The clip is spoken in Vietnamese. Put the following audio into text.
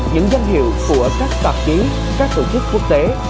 những danh hiệu của các tạp chí các tổ chức quốc tế